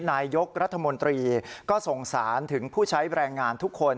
นายกรัฐมนตรีก็ส่งสารถึงผู้ใช้แรงงานทุกคน